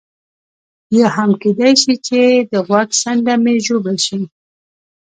یا هم کېدای شي چې د غوږ څنډه مې ژوبل شي.